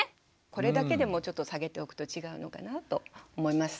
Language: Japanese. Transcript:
これだけでもちょっと下げておくと違うのかなと思います。